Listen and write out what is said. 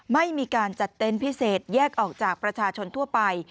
ไม่มีการจัดเต็นต์พิเศษแยกออกจากประชาชนทั่วไป